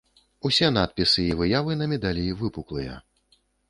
Усе надпісы і выявы на медалі выпуклыя.